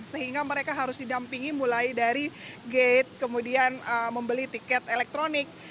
sehingga mereka harus didampingi mulai dari gate kemudian membeli tiket elektronik